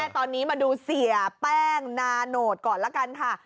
แต่ให้เด้นมาดูเสียแป้งแนโนตก่อนละกันค่ะ